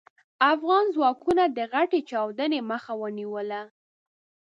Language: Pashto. افغان ځواکونو د غټې چاودنې مخه ونيوله.